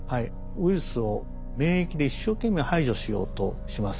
ウイルスを免疫で一生懸命排除しようとします。